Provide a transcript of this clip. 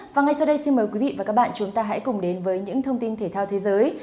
và ngay sau đây xin mời quý vị và các bạn chúng ta hãy cùng đến với những thông tin thể thao thế giới